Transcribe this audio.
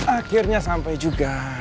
akhirnya sampai juga